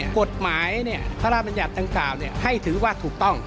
กฎหมายธรรมยัตริย์ตรงเก่าให้ถือว่าถูกต้อง